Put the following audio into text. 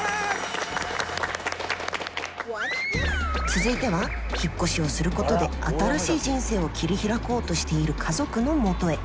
続いては引っ越しをすることで新しい人生を切り開こうとしている家族のもとへ。